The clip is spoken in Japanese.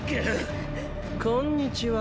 こんにちは。